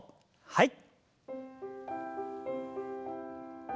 はい。